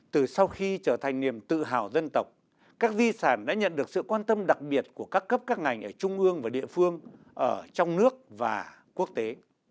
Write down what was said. từ sau khi trở thành niềm tự hào dân tộc các di sản đã nhận được sự quan tâm đặc biệt của các cấp các ngành ở trung ương và địa phương ở trong nước và quốc tế